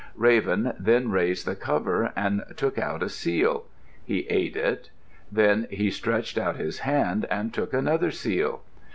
Raven then raised the cover and took out a seal. He ate it. Then he stretched out his hand and took another seal.